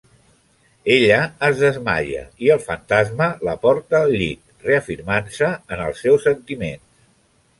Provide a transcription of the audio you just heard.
Ella es desmaia, i el Fantasma la porta al llit, reafirmant-se en els seus sentiments.